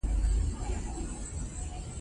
اداري اسناد د ثبوت ارزښت لري.